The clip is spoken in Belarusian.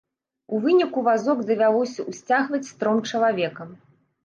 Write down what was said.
У выніку вазок давялося ўсцягваць тром чалавекам.